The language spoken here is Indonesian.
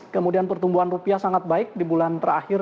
kemudian pertumbuhan rupiah sangat baik di bulan terakhir